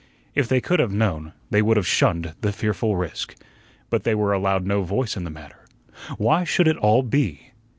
If they could have known, they would have shunned the fearful risk. But they were allowed no voice in the matter. Why should it all be?